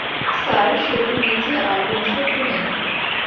Sir, সেতুর নিচে আর কোনো শত্রু নেই।